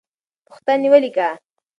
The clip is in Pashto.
پوښتنې ولیکه.